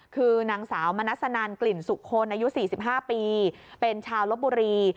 คือนางสาวมนัสนันกลิ่นสุคลอายุ๔๕ปีเป็นชาวลบบุรี